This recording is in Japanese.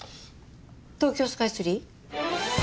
東京スカイツリー？